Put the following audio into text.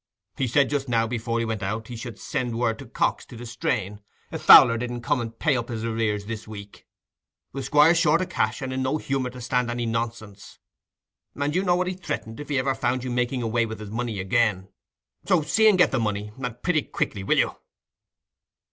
He said, just now, before he went out, he should send word to Cox to distrain, if Fowler didn't come and pay up his arrears this week. The Squire's short o' cash, and in no humour to stand any nonsense; and you know what he threatened, if ever he found you making away with his money again. So, see and get the money, and pretty quickly, will you?"